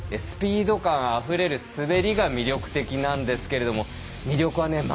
スピード感あふれる滑りが魅力的なんですけれども魅力はね